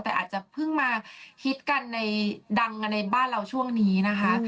แต่อาจจะเพิ่งมาฮิตกันในดังในบ้านเราช่วงนี้นะคะ